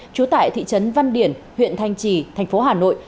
trú tại thị trấn văn điển huyện thanh trì thành phố hà nội